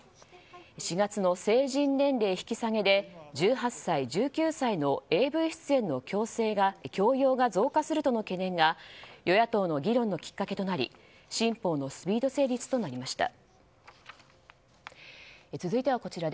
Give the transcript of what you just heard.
４月の成人年齢引き下げで１８歳、１９歳のＡＶ出演の強要が増加するとの懸念が与野党の議論のきっかけとなり新法のスピード成立となりました。